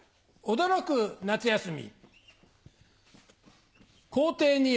驚く夏休み。